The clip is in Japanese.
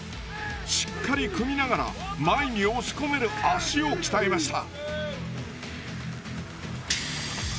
しっかり組みながら前に押し込める足を鍛えました。